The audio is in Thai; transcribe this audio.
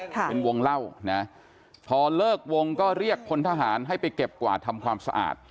เป็นวงเล่านะพอเลิกวงก็เรียกพลทหารให้ไปเก็บกวาดทำความสะอาด